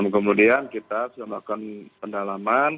kemudian kita sudah melakukan pendalaman